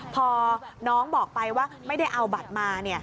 พอน้องบอกไปว่าไม่ได้เอาบัตรมา